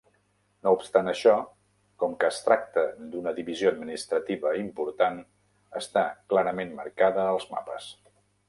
No obstant això, com que es tracta d'una divisió administrativa important, està clarament marcada als mapes.